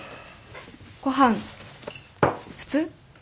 ごはん普通？